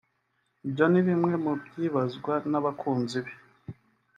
Ibyo ni bimwe mu byibazwa n'abakunzi be